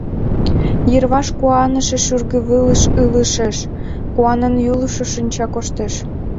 Йырваш куаныше шӱргывылыш ылыжеш, куанен йӱлышӧ шинча коштеш...